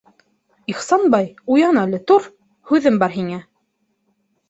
Ихсанбай, уян әле, тор! һүҙем бар һиңә.